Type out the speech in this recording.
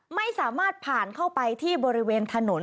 ไม่สามารถผ่านเข้าไปที่บริเวณถนน